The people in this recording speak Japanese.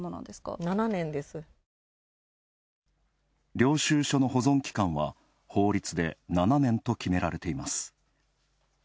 領収書の保存期間は法律で７年と決められています。